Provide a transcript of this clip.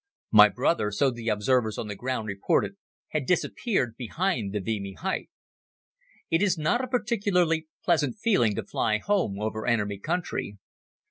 My brother, so the observers on the ground reported, had disappeared behind the Vimy height. It is not a particularly pleasant feeling to fly home over enemy country.